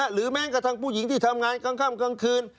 หรือแม้งกับผู้หญิงที่ทำงานกลางกลางคืน